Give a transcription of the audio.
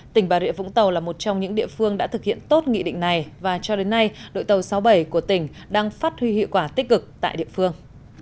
tỉnh bà rịa vũng tàu là một trong những địa phương đã thực hiện tốt nghị định này và cho đến nay đội tàu sáu mươi bảy của tỉnh đang phát huy hiệu quả tích cực tại địa phương